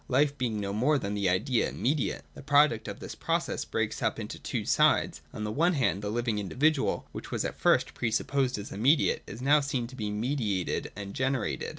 Life being no more than the idea immediate, the product of this process breaks up into two sides. On the one hand, the living individual, which was at first pre supposed as immediate, is now seen to be mediated and generated.